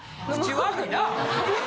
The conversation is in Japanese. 口悪いな！